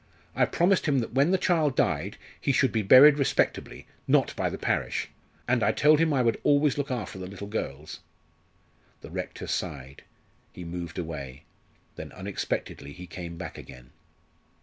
"I promised him that when the child died, he should be buried respectably not by the parish. And I told him I would always look after the little girls." The rector sighed. He moved away. Then unexpectedly he came back again.